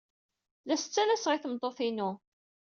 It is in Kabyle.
La as-ttalseɣ i tmeṭṭut-inu.